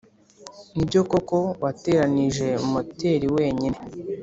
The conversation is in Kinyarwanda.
nibyo koko wateranije moteri wenyine?